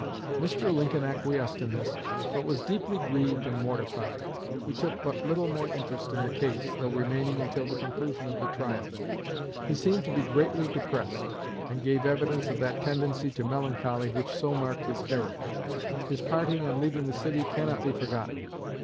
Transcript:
Mr. Lincoln acquiesced in this, but was deeply grieved and mortified; he took but little more interest in the case, though remaining until the conclusion of the trial. He seemed to be greatly depressed, and gave evidence of that tendency to melancholy which so marked his character. His parting on leaving the city cannot be forgotten.